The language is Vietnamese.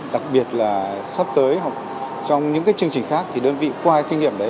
đặc biệt là sắp tới hoặc trong những chương trình khác thì đơn vị qua kinh nghiệm đấy